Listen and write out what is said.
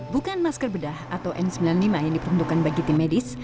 bukan masker bedah atau n sembilan puluh lima yang diperuntukkan bagi tim medis